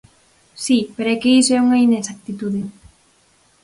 Si, pero é que iso é unha inexactitude.